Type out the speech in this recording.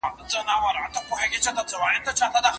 بد بوټۍ بلا نه وهي.